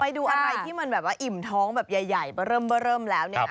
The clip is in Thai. ไปดูอะไรที่มันแบบว่าอิ่มท้องแบบใหญ่เบอร์เริ่มเบอร์เริ่มแล้วเนี่ย